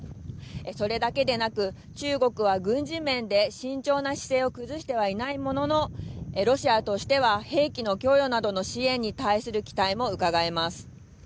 それだけでなく中国は軍事面で慎重な姿勢を崩してはいないもののロシアとしては兵器の供与などの支援に対する期待もうかがえます。